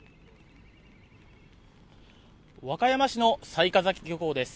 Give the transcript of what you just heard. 和歌山市の雑賀崎漁港です。